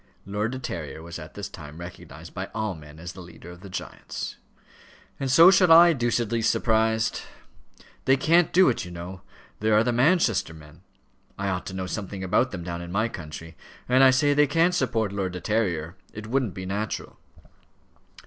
Lord De Terrier was at this time recognized by all men as the leader of the giants. "And so shall I, deucedly surprised. They can't do it, you know. There are the Manchester men. I ought to know something about them down in my country; and I say they can't support Lord De Terrier. It wouldn't be natural."